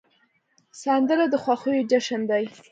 سندره د خوښیو جشن دی